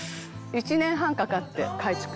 「１年半かかって改築」